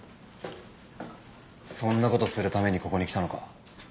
そんなことするためにここに来たのか？